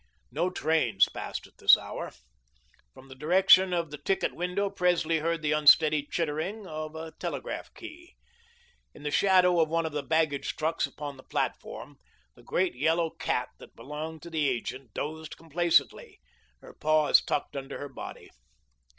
No trains passed at this hour. From the direction of the ticket window, Presley heard the unsteady chittering of the telegraph key. In the shadow of one of the baggage trucks upon the platform, the great yellow cat that belonged to the agent dozed complacently, her paws tucked under her body.